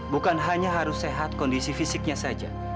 bukan hanya harus sehat kondisi fisiknya saja